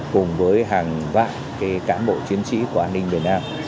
cùng với hàng vạn cán bộ chiến sĩ của an ninh miền nam